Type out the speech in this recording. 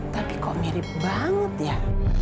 tapi kok mirip banget ya